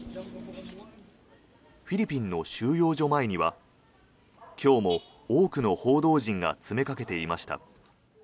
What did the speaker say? フィリピンの収容所前には今日も多くの報道陣が詰めかけていました。